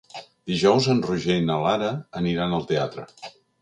Dijous en Roger i na Lara aniran al teatre.